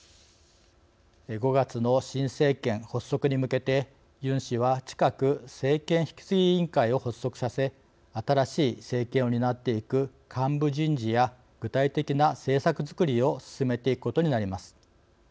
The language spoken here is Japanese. ５月の新政権発足に向けてユン氏は近く政権引継ぎ委員会を発足させ新しい政権を担っていく幹部人事や具体的な政策づくりを進めていくことになります。